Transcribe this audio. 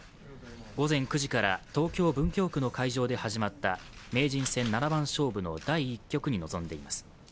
午前９時から東京・文京区の会場で始まった名人戦七番勝負の第１局に臨んでいます。